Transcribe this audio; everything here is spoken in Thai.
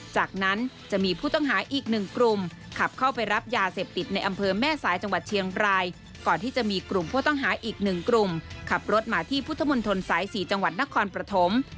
จากนั้นจะมีผู้ต้องหาอีกหนึ่งกลุ่ม